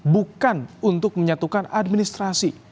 bukan untuk menyatukan administrasi